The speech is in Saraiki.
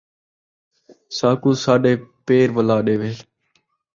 ساکوں ساݙے پیر وَلا ، ݙے